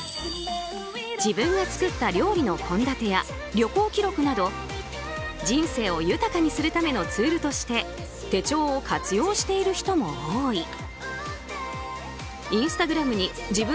自分が作った料理の献立や旅行記録など人生を豊かにするためのツールとして手帳を活用している人も多い。